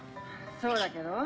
そうだけど？